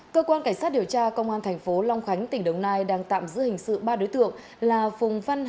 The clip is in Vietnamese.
cơ quan cảnh sát điều tra công an thành phố long khánh tỉnh đồng nai đang tạm giữ hình sự ba đối tượng là phùng văn